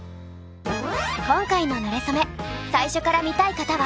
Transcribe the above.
今回の「なれそめ！」最初から見たい方は。